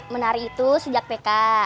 menari itu sejak pk